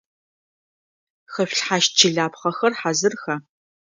Хэшъулъхьащт чылапхъэхэр хьазырха?